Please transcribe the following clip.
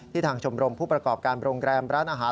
ทางชมรมผู้ประกอบการโรงแรมร้านอาหาร